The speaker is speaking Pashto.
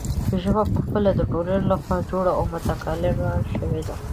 ژبه پخپله د ټولنې له خوا جوړه او متکامله شوې ده.